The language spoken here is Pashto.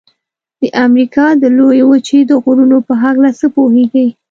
د امریکا د لویې وچې د غرونو په هکله څه پوهیږئ؟